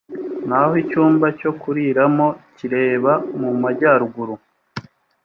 naho icyumba cyo kuriramo kireba mu majyaruguru